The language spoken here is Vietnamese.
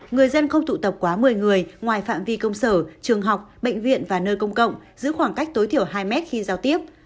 người dân không tụ tập quá một mươi người ngoài phạm vi công sở trường học bệnh viện và nơi công cộng giữ khoảng cách tối thiểu hai mét khi giao tiếp